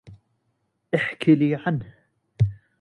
احكِ لي عنه.